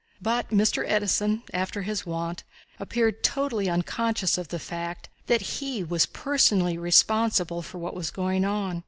But Mr. Edison, after his wont, appeared totally unconscious of the fact that he was personally responsible for what was going on.